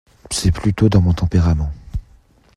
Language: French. C’est plutôt dans mon tempérament.